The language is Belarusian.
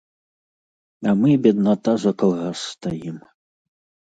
А мы, бедната, за калгас стаім!